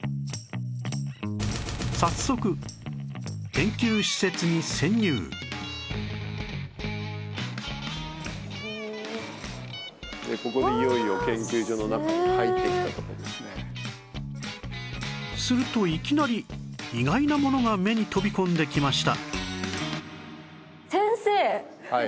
早速でここでいよいよするといきなり意外なものが目に飛び込んできました